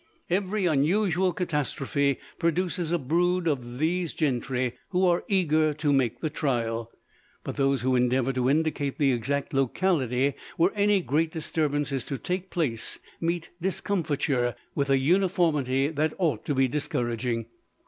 Every unusual catastrophe produces a brood of these gentry who are eager to make the trial. But those who endeavor to indicate the exact locality where any great disturbance is to take place, meet discomfiture with a uniformity that ought to be discouraging.